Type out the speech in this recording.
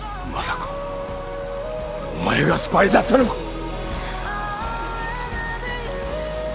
まさかお前がスパイだったのか